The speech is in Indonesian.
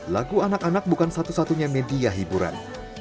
lagu anak anak bukan satu satunya media hiburan